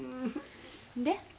で？